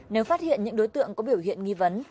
nếu phát hiện những đối tượng có biểu hiện nghi vấn